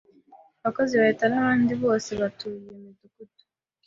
abakozi ba leta n'abandi bose batuye iyo midugudu